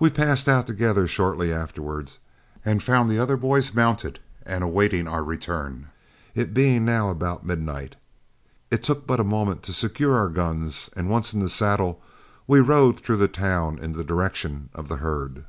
We passed out together shortly afterward, and found the other boys mounted and awaiting our return, it being now about midnight. It took but a moment to secure our guns, and once in the saddle, we rode through the town in the direction of the herd.